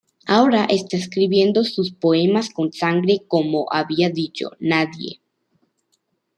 Ahora está escribiendo sus poemas con sangre como había dicho "Nadie".